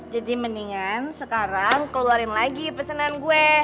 jadi mendingan sekarang keluarin lagi pesanan gue